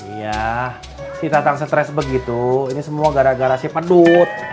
iya si tatang stres begitu ini semua gara gara si pedut